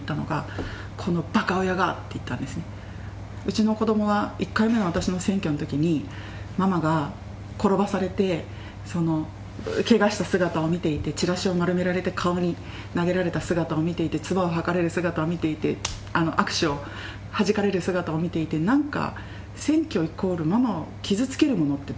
うちの子どもは１回目の私の選挙のときにママが転ばされてけがした姿を見ていてチラシを丸められて顔に投げられた姿を見ていてつばを吐かれる姿を見ていて握手をはじかれる姿を見ていてなんか。